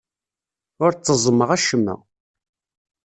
Ur tteẓẓmeɣ acemma.